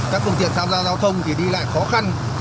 các phương tiện tham gia giao thông thì đi lại khó khăn